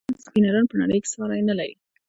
افغان سپینران په نړۍ کې ساری نلري.